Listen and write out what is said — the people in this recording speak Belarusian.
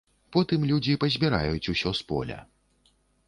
Потым людзі пазбіраюць усё з поля.